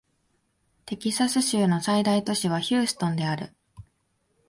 テキサス州の最大都市はヒューストンである